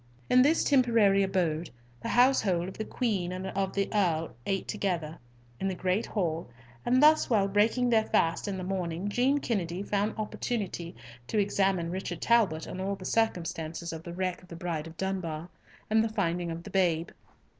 In this temporary abode, the household of the Queen and of the Earl ate together, in the great hall, and thus while breaking their fast in the morning Jean Kennedy found opportunity to examine Richard Talbot on all the circumstances of the wreck of the Bride of Dunbar, and the finding of the babe.